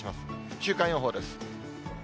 週間予報です。